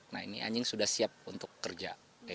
nah ini anjing sudah siap untuk kerja